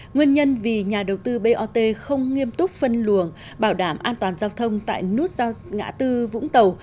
nguyên nhân vì nhà đầu tư bot không nghiêm túc phân luồng bảo đảm an toàn giao thông tại nút giao ngã tư vũng tàu